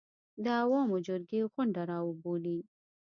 د عوامو جرګې غونډه راوبولي